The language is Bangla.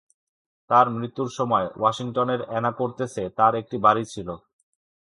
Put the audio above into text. তার মৃত্যুর সময় ওয়াশিংটনের আ্যনাকোর্তেসে তার একটা বাড়ি ছিল।